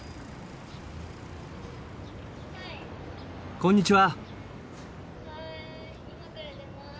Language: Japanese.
こんにちは。